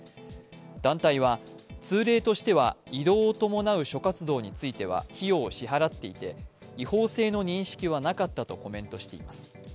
団体は通例としては移動を伴う諸活動については費用を支払っていて違法性の認識はなかったとコメントしています。